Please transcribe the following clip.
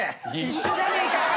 一緒じゃねえかよ！